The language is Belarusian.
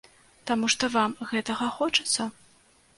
Таму што вам гэтага хочацца?